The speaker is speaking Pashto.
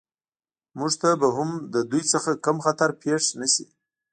موږ ته به هم له دوی څخه کوم خطر پېښ نه شي